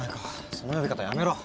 その呼び方やめろ！